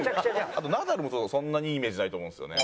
あとナダルもそんなにいいイメージないと思うんですよね。